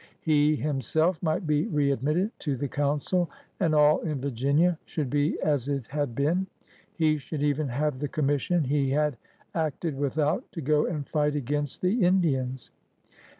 He himself might be readmitted to the Council, and all in Virginia should be as it had been. He should even have the commission he had acted without to go and fight against the Indians.